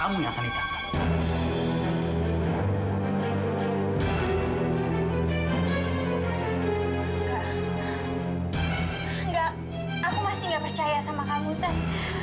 enggak aku masih nggak percaya sama kamu saya